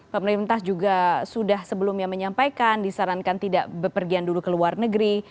pemerintah juga sudah sebelumnya menyampaikan disarankan tidak berpergian dulu ke luar negeri